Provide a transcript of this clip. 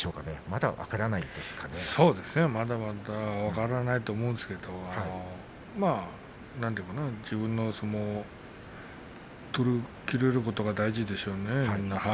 まだまだ分からないと思うんですけれども自分の相撲を取りきれることが大事でしょうね。